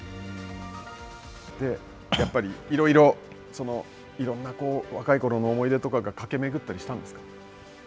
やっぱりいろいろ、いろんな、若いころの思い出とかが駆け巡ったりしたんですか。